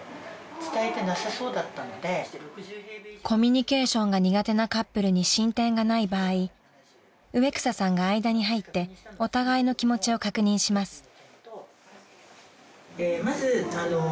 ［コミュニケーションが苦手なカップルに進展がない場合植草さんが間に入ってお互いの気持ちを確認します］